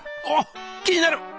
あっ気になる！